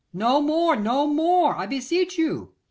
'No more, no more! I beseech you.